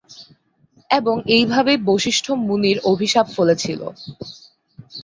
এবং এইভাবেই বশিষ্ঠ মুনির অভিশাপ ফলেছিল।